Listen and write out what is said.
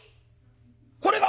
これが？